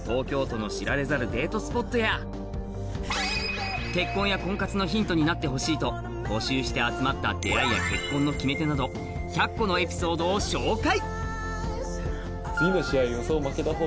さらに結婚や婚活のヒントになってほしいと募集して集まった出会いや結婚の決め手など１００個のエピソードを紹介